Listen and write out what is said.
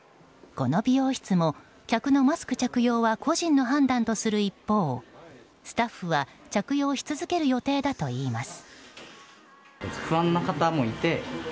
この美容室も客のマスク着用は個人の判断とする一方スタッフは着用し続ける予定だといいます。